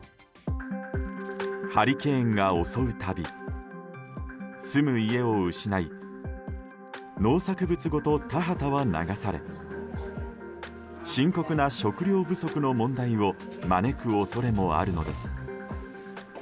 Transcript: ハリケーンが襲う度住む家を失い農作物ごと田畑は流され深刻な食糧不足の問題を招く恐れもあるのです。